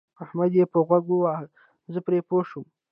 احمد يې په غوږ وواهه زه پرې پوه شوم.